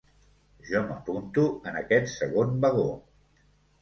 Jo m’apunto en aquest segon vagó.